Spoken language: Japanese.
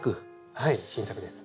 はい新作です。